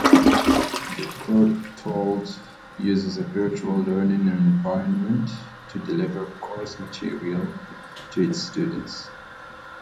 The Courtauld uses a virtual learning environment to deliver course material to its students.